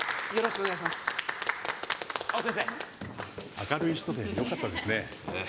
明るい人でよかったですねええ